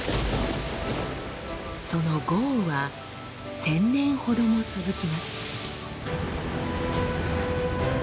その豪雨は１，０００年ほども続きます。